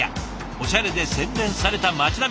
おしゃれで洗練された町並み。